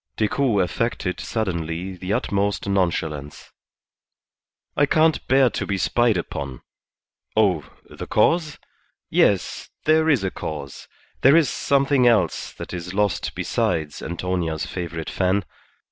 Decoud affected suddenly the utmost nonchalance. "I can't bear to be spied upon. Oh, the cause? Yes, there is a cause; there is something else that is lost besides Antonia's favourite fan.